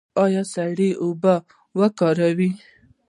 ایا سړې اوبه کاروئ؟